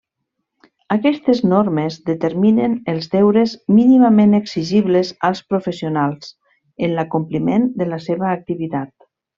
Aquestes normes determinen els deures mínimament exigibles als professionals en l'acompliment de la seva activitat.